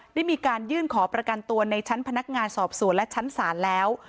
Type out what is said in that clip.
ได้มีการยื่นขอประกันตัวในชั้นพนักงานสอบสวนและชั้นศาลแล้ว